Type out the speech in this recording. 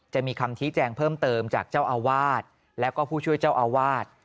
จะมีคำชี้แจงเพิ่มเติมจากเจ้าอาวาสแล้วก็ผู้ช่วยเจ้าอาวาส